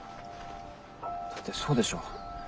だってそうでしょう？